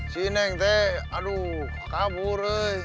si neng aduh kabur